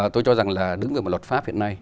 tôi cho rằng là đứng về một luật pháp hiện nay